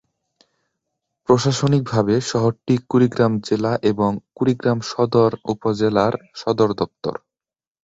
প্রশাসনিকভাবে শহরটি কুড়িগ্রাম জেলা এবং কুড়িগ্রাম সদর উপজেলার সদর দপ্তর।